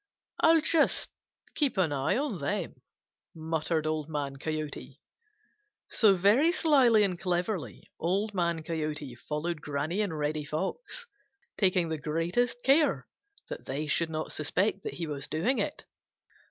"I'll just keep an eye on them," muttered Old Man Coyote. So very slyly and cleverly Old Man Coyote followed Granny and Reddy Fox, taking the greatest care that they should not suspect that he was doing it.